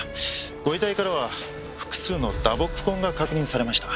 ご遺体からは複数の打撲痕が確認されました。